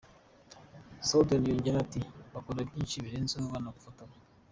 Snowden yongeyeho ati “ Bakora byinshi birenzeho, banagufotora.